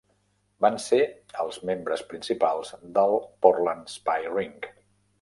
Van ser els membres principals del Portland Spy Ring.